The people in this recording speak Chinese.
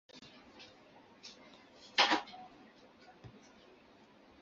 非法森林开发亦为一些村民的收入来源。